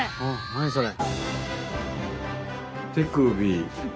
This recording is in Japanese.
何それ？